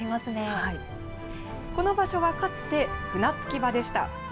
この場所はかつて船着き場でした。